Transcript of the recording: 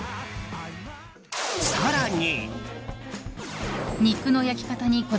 更に。